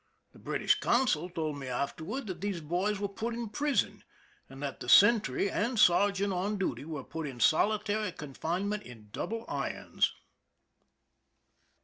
The British consul told me afterward that these boys were put in prison, and that the sentry and sergeant on duty were put in solitary confinement in double irons.